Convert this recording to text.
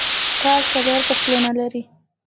کال څلور فصلونه لري